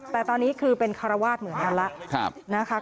แต่ตอนนี้คือเป็นคารวาสเหมือนกันแล้วนะคะ